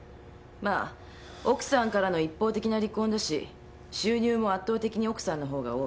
まあ奥さんからの一方的な離婚だし収入も圧倒的に奥さんのほうが多い。